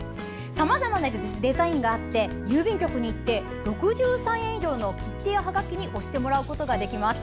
さまざまなデザインがあって郵便局に行って６３円以上の切手やはがきに押してもらうことができます。